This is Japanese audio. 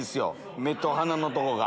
目と鼻のとこが。